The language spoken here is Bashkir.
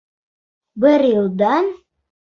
Бер йылдан?